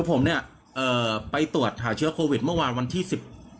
ผมเนี่ยเอ่อไปตรวจหาเชื้อโควิดเมื่อวานวันที่สิบ